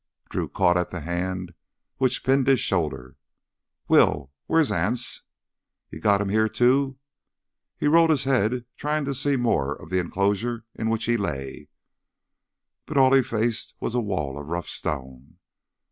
Drew caught at the hand which pinned his shoulder. "Will, where's Anse? You got him here too?" He rolled his head, trying to see more of the enclosure in which he lay, but all he faced was a wall of rough stone.